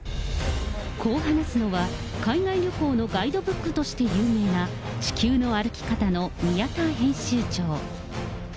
こう話すのは、海外旅行のガイドブックとして有名な地球の歩き方の宮田編集長。